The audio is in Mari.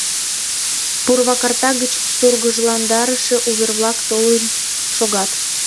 “Пурвакарта гыч тургыжландарыше увер-влак толын шогат.